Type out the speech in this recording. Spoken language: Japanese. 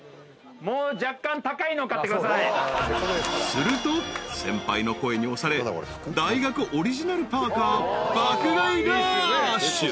［すると先輩の声に押され大学オリジナルパーカ爆買いラッシュ］